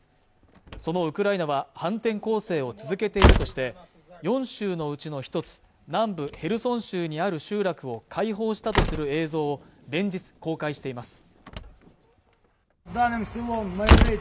そのウクライナは反転攻勢を続けているとして４州のうちの１つ南部ヘルソン州にある集落を解放したとする映像を連日公開しています